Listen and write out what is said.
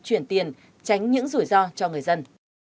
chuyển tiền tránh những rủi ro cho người dân